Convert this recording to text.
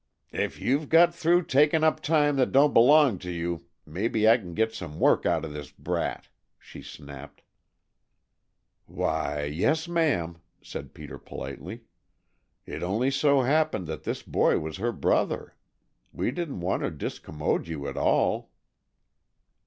"If you've got through takin' up time that don't belong to you, maybe I can git some work out of this brat," she snapped. "Why, yes, ma'am," said Peter politely. "It only so happened that this boy was her brother. We didn't want to discommode you at all."